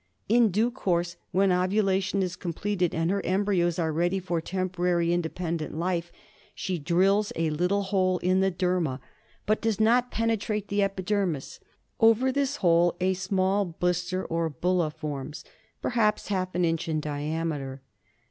In due course, when ovulation is completed and her embryos are ready for temporary in dependent life, she drills a little hole in the derma, but does not penetrate the epidermis. Over this hole a small blister or bulla forms — perhaps half an inch in diameter.